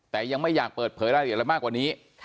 แต่ยังไม่อยากเปิดเผยอะไรมากกว่านี้